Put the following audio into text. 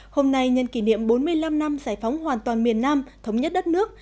hôm nay nhân kỷ niệm bốn mươi năm năm giải phóng hoàn toàn miền nam thống nhất đất nước